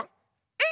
えっ？